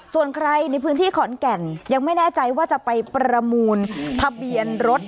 ส่วนใครในพื้นที่ขอนแก่นยังไม่แน่ใจว่าจะไปประมูลทะเบียนรถ